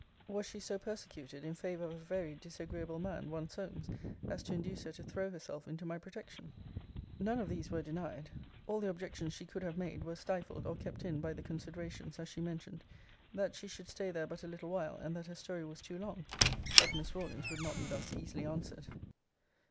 Was she so persecuted in favour of a very disagreeable man, one Solmes, as to induce her to throw herself into my protection? None of these were denied. All the objections she could have made, were stifled, or kept in, by the considerations, (as she mentioned,) that she should stay there but a little while, and that her story was too long; but Miss Rawlins would not be thus easily answered.